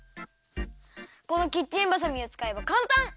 このキッチンばさみをつかえばかんたん！